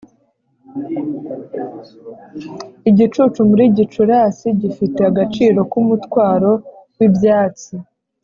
igicucu muri gicurasi gifite agaciro k'umutwaro w'ibyatsi;